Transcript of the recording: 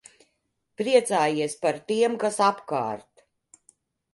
Priecājies par tiem, kas apkārt.